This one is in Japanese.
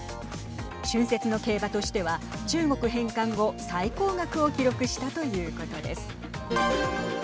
春節の競馬としては中国返還後最高額を記録したということです。